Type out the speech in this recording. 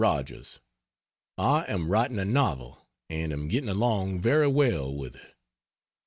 ROGERS, I am writing a novel, and am getting along very well with it.